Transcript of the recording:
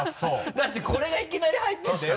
だってこれがいきなり入ってるんだよ？